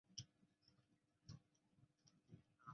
共产党是土耳其的一个已不存在的共产主义政党。